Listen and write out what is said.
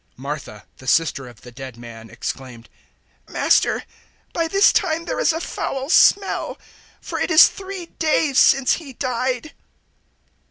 Martha, the sister of the dead man, exclaimed, "Master, by this time there is a foul smell; for it is three days since he died."